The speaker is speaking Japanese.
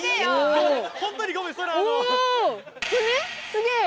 すげえ！